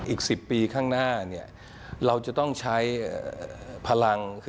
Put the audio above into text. อีก๑๐ปีข้างหน้าเราจะต้องใช้พลัง